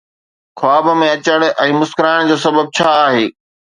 خواب ۾ اچڻ ۽ مسڪرائڻ جو سبب ڇا آهي؟